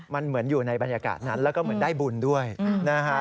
มันเหมือนอยู่ในบรรยากาศนั้นแล้วก็เหมือนได้บุญด้วยนะฮะ